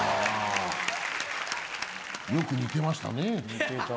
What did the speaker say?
よく似てましたね。